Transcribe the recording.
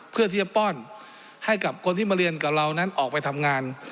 เพื่อที่จะป้อนให้กับคนที่มาเรียนกับเรานั้นออกไปทำงาน